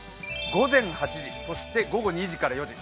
午前８時、午後２時から４時。